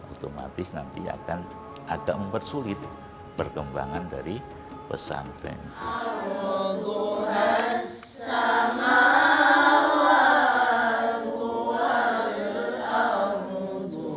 otomatis nanti akan agak mempersulit perkembangan dari pesantren